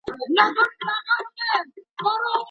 نظر یې لرې د بېپایه سمندر په افق ستړی ګرځي